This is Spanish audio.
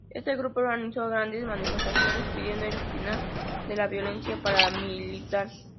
Este grupo organizó grandes manifestaciones pidiendo el final de la violencia paramilitar.